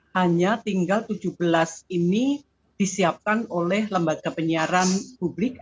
hanya tinggal tujuh belas ini disiapkan oleh lembaga penyiaran publik